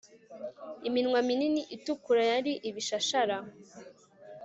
Iminwa minini itukura yari ibishashara